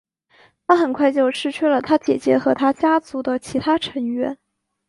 他很快就失去了他姐姐和他家族的其他成员。